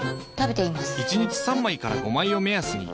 １日３枚から５枚を目安に。